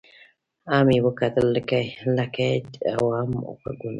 هم یې وکتل لکۍ او هم غوږونه